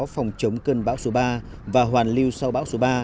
phòng chống cơn bão số ba và hoàn lưu sau bão số ba